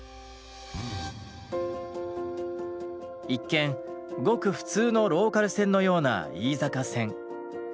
一見ごく普通のローカル線のような飯坂線。